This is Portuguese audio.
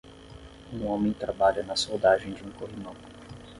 Um homem trabalha na soldagem de um corrimão.